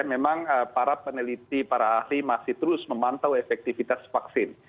memang para peneliti para ahli masih terus memantau efektivitas vaksin